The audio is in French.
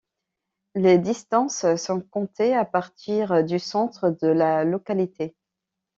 Les distances sont comptées à partir du centre de la localité.